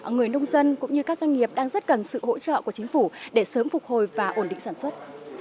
người nông dân cũng như các doanh nghiệp đang rất cần sự hỗ trợ của chính phủ để sớm phục hồi và ổn định sản xuất